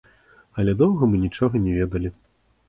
Але доўга мы нічога не ведалі.